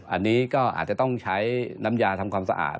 อันนี้ก็อาจจะต้องใช้น้ำยาทำความสะอาด